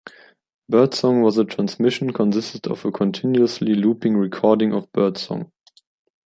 "Birdsong" was a transmission consisted of a continuously looping recording of bird song.